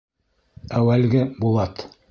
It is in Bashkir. Әүәлге Булат!